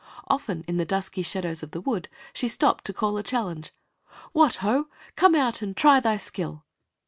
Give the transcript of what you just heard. Often in the dusky shadows of the wood, she stopped to call a challenge: "What, ho! Come out and try thy skill!"